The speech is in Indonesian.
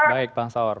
baik pak saur